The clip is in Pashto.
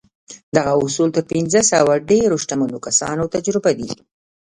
دغه اصول تر پينځه سوه د ډېرو شتمنو کسانو تجربې دي.